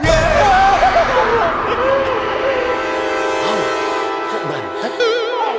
biasa aja dong